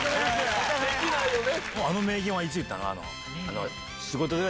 できないよね。